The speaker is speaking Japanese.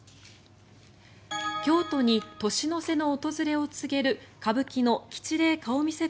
京都に年の瀬の訪れを告げる歌舞伎の吉例顔見世